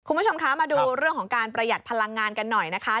คุณผู้ชมคะมาดูเรื่องของการประหยัดพลังงานกันหน่อยนะคะ